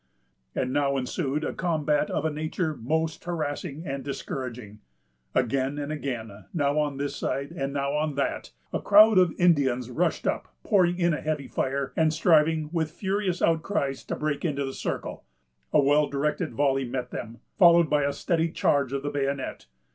And now ensued a combat of a nature most harassing and discouraging. Again and again, now on this side and now on that, a crowd of Indians rushed up, pouring in a heavy fire, and striving, with furious outcries, to break into the circle. A well directed volley met them, followed by a steady charge of the bayonet.